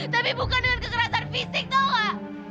tapi bukan dengan kekerasan fisik tahu nggak